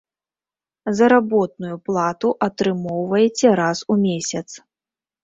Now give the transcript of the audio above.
Заработную плату атрымоўваеце раз у месяц.